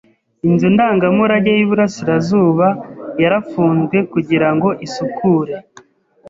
Inzu ndangamurage y’iburasirazuba yarafunzwe kugira ngo isukure.